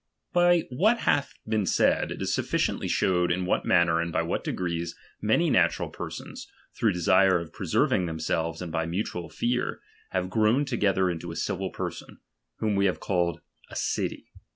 By what hath been said, it is sufficiently showed in what manner and by what degrees many natural persons, through desire of preserving themselves and by mutual fear, have grown to gether into a civil person, whom we have called a city.